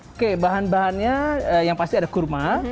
oke bahan bahannya yang pasti ada kurma